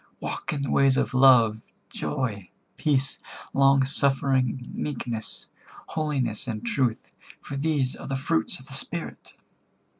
Walk in the ways of love, joy, peace, long suffering, meekness, holiness and truth, for these are the fruits of the Spirit."